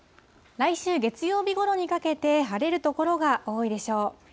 来週月曜日ごろにかけて晴れる所が多いでしょう。